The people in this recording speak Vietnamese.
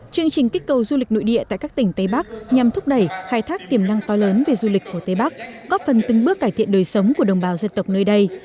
chương trình kích cầu du lịch nội địa tại các tỉnh tây bắc nhằm thúc đẩy khai thác tiềm năng to lớn về du lịch của tây bắc có phần từng bước cải thiện đời sống của đồng bào dân tộc nơi đây